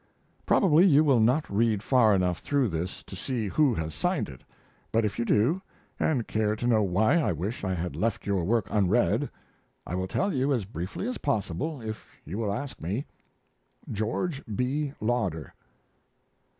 Probably you will not read far enough through this to see who has signed it, but if you do, and care to know why I wish I had left your work unread, I will tell you as briefly as possible if you will ask me. GEORGE B. LAUDER.